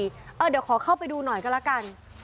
เดี๋ยวขอเข้าไปดูหน่อยก็แล้วกัน